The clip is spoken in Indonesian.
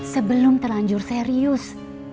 sebelum terlanjur serius